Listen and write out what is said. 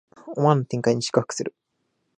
思わぬ展開に四苦八苦する